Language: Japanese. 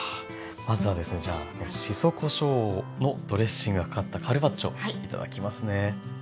まずはですねじゃあしそこしょうのドレッシングがかかったカルパッチョ頂きますね。